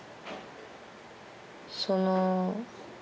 その。